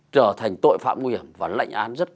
trở thành tội phạm nguy hiểm và lạnh án